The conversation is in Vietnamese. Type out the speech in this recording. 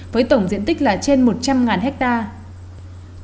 với tổng diện tích là trên một trăm linh hectare